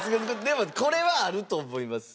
でもこれはあると思います。